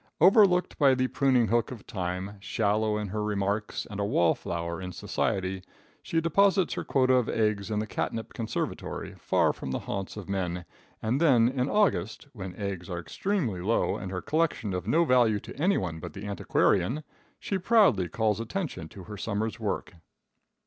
Overlooked by the pruning hook of time, shallow in her remarks, and a wall flower in society, she deposits her quota of eggs in the catnip conservatory, far from the haunts of men, and then in August, when eggs are extremely low and her collection of no value to any one but the antiquarian, she proudly calls attention to her summer's work.